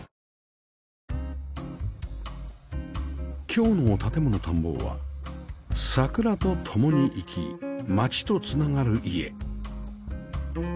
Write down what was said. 今日の『建もの探訪』は桜と共に生き街とつながる家